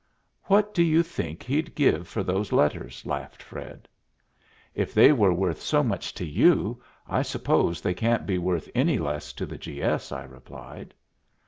"What do you think he'd give for those letters?" laughed Fred. "If they were worth so much to you, I suppose they can't be worth any less to the G. S.," I replied.